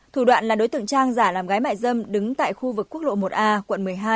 thủ đoạn là đối tượng trang giả làm gái mại dâm đứng tại khu vực quốc lộ một a quận một mươi hai